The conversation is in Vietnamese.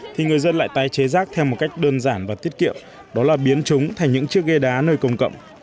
thì người dân lại tái chế rác theo một cách đơn giản và tiết kiệm đó là biến chúng thành những chiếc ghê đá nơi công cộng